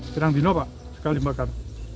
terang dino pak sekali membakar